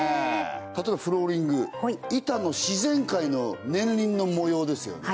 例えばフローリング板の自然界のはい年輪の模様ですよね